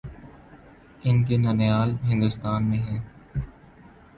ان کے ننھیال ہندوستان میں ہیں۔